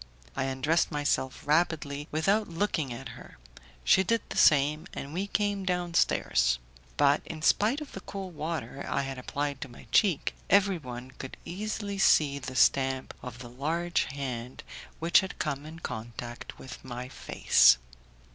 I undressed myself rapidly without looking at her, she did the same, and we came downstairs; but, in spite of the cold water I had applied to my cheek, everyone could easily see the stamp of the large hand which had come in contact with my face.